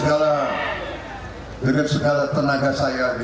dalam pemilihan presiden